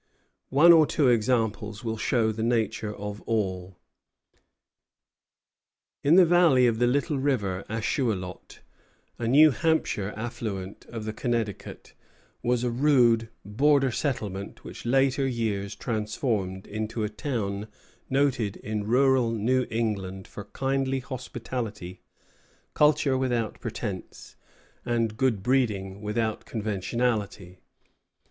One or two examples will show the nature of all. In the valley of the little river Ashuelot, a New Hampshire affluent of the Connecticut, was a rude border settlement which later years transformed into a town noted in rural New England for kindly hospitality, culture without pretence, and good breeding without conventionality.